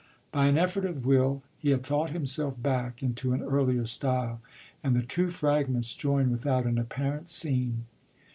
By an effort of will he had thought himself back into an earlier style, and the two fragments join without an apparent seam.